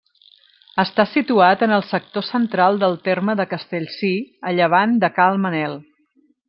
Està situat en el sector central del terme de Castellcir, a llevant de Cal Manel.